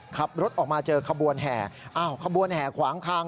ขับรถออกมาเจอขบวนแห่อ้าวขบวนแห่ขวางทาง